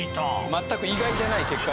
全く意外じゃない結果。